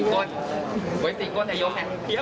ต้องตีแผนเพียโรน